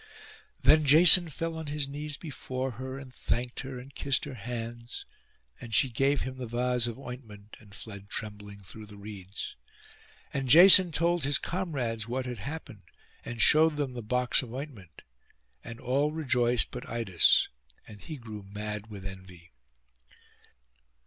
Then Jason fell on his knees before her, and thanked her and kissed her hands; and she gave him the vase of ointment, and fled trembling through the reeds. And Jason told his comrades what had happened, and showed them the box of ointment; and all rejoiced but Idas, and he grew mad with envy.